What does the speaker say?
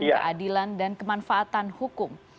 keadilan dan kemanfaatan hukum